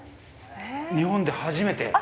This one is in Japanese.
日本で初めて？